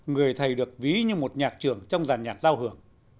người thầy được ví như một nhạc trường trong dàn nhạc giao hưởng